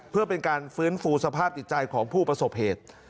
เพื่อเป็นการฟื้นฟูสภาพจิตใจของผู้ประสบเหตุ